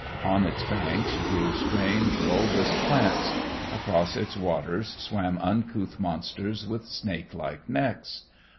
On its banks grew strange, bulbous plants. Across its waters swam uncouth monsters with snake like necks.